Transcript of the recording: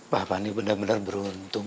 papa ini benar benar beruntung